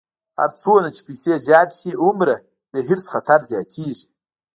هر څومره چې پیسې زیاتې شي، هومره د حرص خطر زیاتېږي.